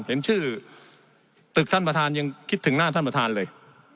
เห็นชื่อตึกท่านประธานยังคิดถึงหน้าท่านประธานเลย